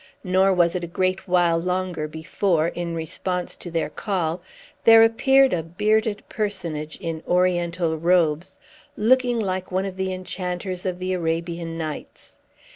Nor was it a great while longer before, in response to their call, there appeared a bearded personage in Oriental robes, looking like one of the enchanters of the Arabian Nights.